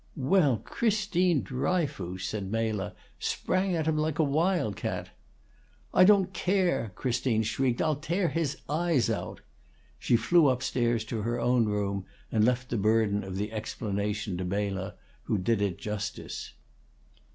"Well, Christine Dryfoos!" said Mela, "Sprang at him like a wild cat!" "I don't care," Christine shrieked. "I'll tear his eyes out!" She flew up stairs to her own room, and left the burden of the explanation to Mela, who did it justice.